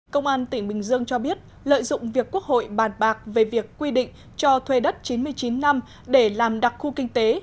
công an tỉnh bình dương cho biết lợi dụng việc quốc hội bàn bạc về việc quy định cho thuê đất chín mươi chín năm để làm đặc khu kinh tế